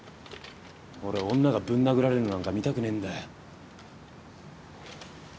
俺女がぶん殴られるのなんか見たくねえんだよ。